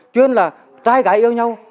chuyên là trai gái yêu nhau